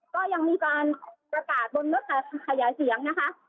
ก็ยังมีปาร์ดบนรถหนาพยาเสียงนะคะ